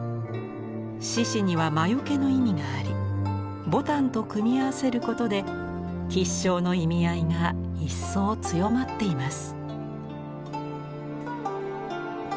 獅子には魔よけの意味があり牡丹と組み合わせることで吉祥の意味合いが一層強まっています。